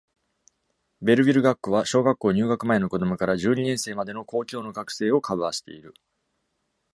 Belleville 学区は、小学校入学前の子供から十二年生までの公共の学生をカバーしている。